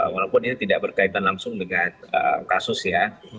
walaupun ini tidak berkaitan langsung dengan kasus ya